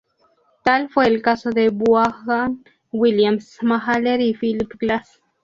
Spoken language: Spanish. Tal fue el caso de Vaughan Williams, Mahler y Philip Glass.